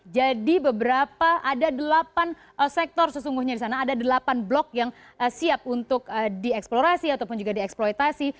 jadi ada delapan blok yang siap untuk dieksplorasi atau juga dieksploitasi